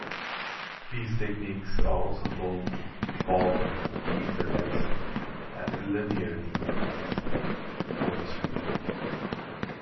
These techniques are also called "bob deinterlacing" and "linear deinterlacing" for this reason.